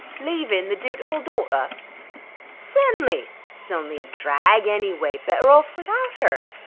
"Leavin' the dootiful darter?" "Cert'n'y. She's only a drag any way. 'Better off without her....